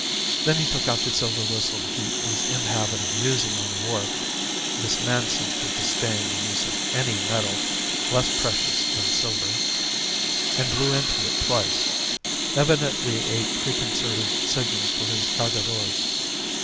Then he took out the silver whistle he is in the habit of using on the wharf (this man seems to disdain the use of any metal less precious than silver) and blew into it twice, evidently a preconcerted signal for his Cargadores.